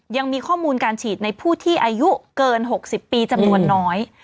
ยังมีข้อมูลการฉีดในผู้ที่อายุเกิน๖๐ปีจำนวนน้อย